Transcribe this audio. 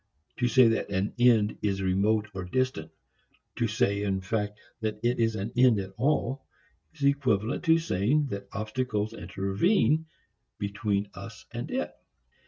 To say that an end is remote or distant, to say in fact that it is an end at all, is equivalent to saying that obstacles intervene between us and it.